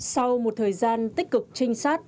sau một thời gian tích cực trinh sát